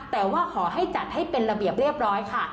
แต่ว่าขอให้จัดให้เป็นระเบียบเรียบร้อยค่ะ